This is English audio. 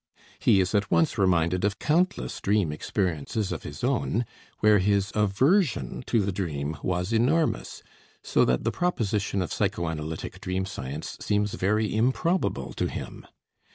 He is at once reminded of countless dream experiences of his own, where his aversion to the dream was enormous, so that the proposition of psychoanalytic dream science seems very improbable to him.